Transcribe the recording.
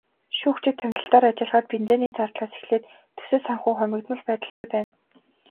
Шүүгчид томилолтоор ажиллахад бензиний зардлаас эхлээд төсөв санхүү хумигдмал байдалтай байна.